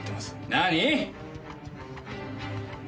何？